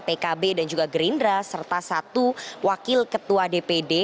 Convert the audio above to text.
pkb dan juga gerindra serta satu wakil ketua dpd